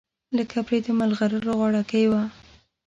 لکه پرې د مرغلرو غاړګۍ وه